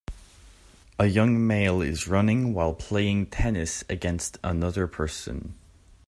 A young male is running while playing tennis against another person.